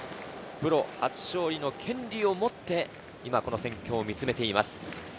プロ初勝利の権利を持って戦況を見つめています。